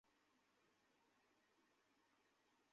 ঈদে নতুন কাপড় কেনা দূরের কথা, এখন দুবেলা খাবার জোটানোই দায়।